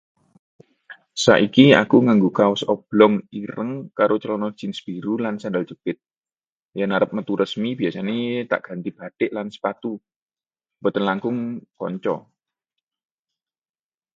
Saiki aku nganggo kaos oblong ireng karo celana jins biru lan sendal jepit. Yen arep metu resmi, biasane tak ganti batik lan sepatu. Mboten langkung, kanca.